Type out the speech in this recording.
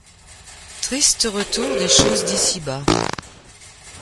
Triste retour des choses d’ici-bas !